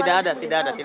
tidak ada tidak ada